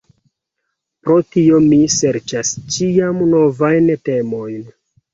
Pro tio mi serĉas ĉiam novajn temojn.